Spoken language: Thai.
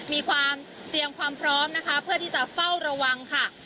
มีความเตรียมความพร้อมนะคะเพื่อที่จะเฝ้าระวังค่ะ